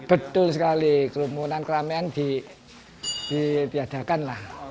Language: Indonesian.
betul sekali kerumunan keramaian ditiadakan lah